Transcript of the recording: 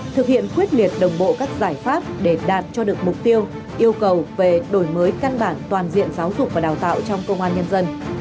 thực hiện quyết liệt đồng bộ các giải pháp để đạt cho được mục tiêu yêu cầu về đổi mới căn bản toàn diện giáo dục và đào tạo trong công an nhân dân